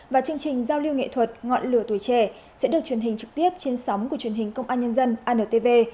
và chương trình giao lưu nghệ thuật ngọn lửa tuổi trẻ sẽ được truyền hình trực tiếp trên sóng của truyền hình công an nhân dân antv